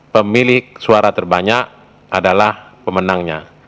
pemilik suara terbanyak adalah pemenangnya